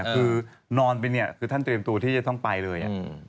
คือนอนไปเนี่ยคือท่านเตรียมตัวที่จะต้องไปเลย